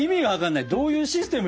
どういうシステムよ？